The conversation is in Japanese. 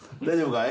大丈夫？